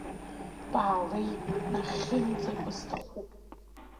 Баалеи нахьхьынӡа, бысҭахуп…